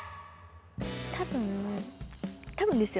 多分多分ですよ。